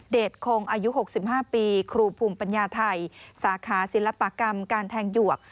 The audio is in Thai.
คงอายุ๖๕ปีครูภูมิปัญญาไทยสาขาศิลปกรรมการแทงหยวก